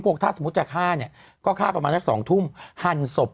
ถ้าสมมุติจะฆ่าเนี่ยก็ฆ่าประมาณสัก๒ทุ่มหั่นศพ